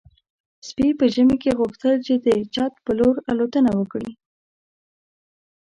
سپي په ژمي کې غوښتل چې د چت په لور الوتنه وکړي.